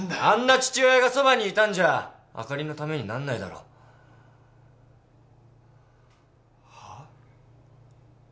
あんな父親がそばにいたんじゃあかりのためになんないだろ。はあ？